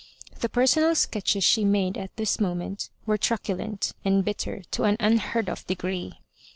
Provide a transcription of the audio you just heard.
The personal sketches she made at this moment were trucu lent and bitter to an unheard of degree.